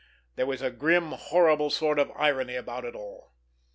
There was a grim, horrible sort of irony about it all.